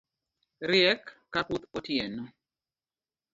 Riek ka kuth otieno